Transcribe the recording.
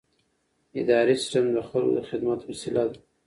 اداري سیستم د خلکو د خدمت وسیله ده.